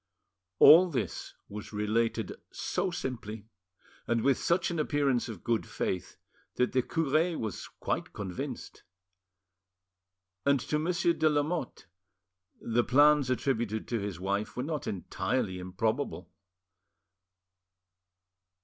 All this was related so simply, and with such an appearance of good faith, that the cure was quite convinced. And to Monsieur de Lamotte the plans attributed to his wife were not entirely improbably.